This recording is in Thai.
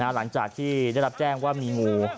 หลังจากที่ได้รับแจ้งว่ามีงู